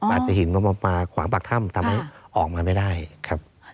อาจจะหินมาขวางปากถ้ำทำให้ออกมาไม่ได้ครับ